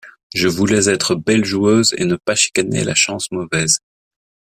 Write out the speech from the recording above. Je voulais être belle joueuse et ne pas chicaner la chance mauvaise.